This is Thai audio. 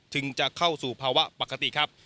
จะเข้าสู่ภาวะปกติครับ